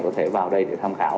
có thể vào đây tham khảo